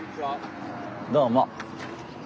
どうも。